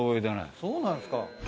そうなんですか。